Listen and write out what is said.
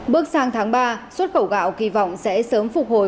bước sang tháng ba xuất khẩu gạo kỳ vọng sẽ sớm phục hồi